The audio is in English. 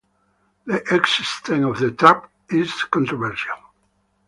The existence of the "trap" is controversial.